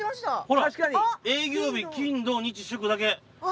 ほら営業日金土日祝だけ。